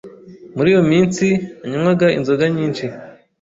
Muri iyo minsi nanywaga inzoga nyinshi.